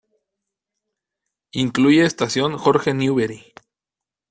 Incluye Estación Jorge Newbery.